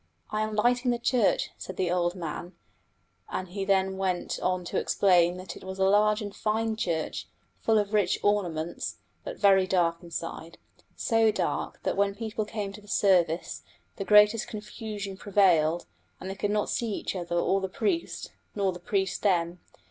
"I am lighting the church," said the old man; and he then went on to explain that it was a large and a fine church, full of rich ornaments, but very dark inside so dark that when people came to service the greatest confusion prevailed, and they could not see each other or the priest, nor the priest them.